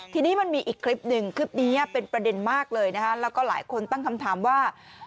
ทีนี้มันมีอีกคลิปหนึ่งคลิปนี้เป็นประเด็นมากเลยนะคะแล้วก็หลายคนตั้งคำถามว่า